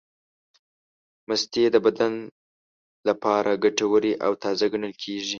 مستې د بدن لپاره ګټورې او تازې ګڼل کېږي.